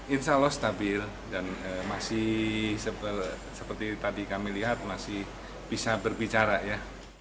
insya allah stabil dan masih seperti tadi kami lihat masih bisa berbicara ya